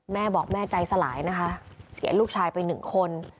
แม่บอกแม่ใจสลายนะคะเสียลูกชายไปหนึ่งคน